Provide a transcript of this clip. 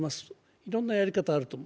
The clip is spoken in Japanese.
いろんなやり方がある度を間。